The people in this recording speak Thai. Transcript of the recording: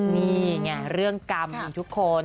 นี่ไงเรื่องกรรมมีทุกคน